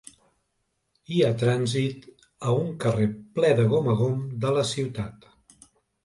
Hi ha trànsit a un carrer ple de gom a gom de la ciutat.